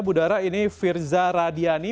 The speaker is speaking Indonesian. budara ini firza radiani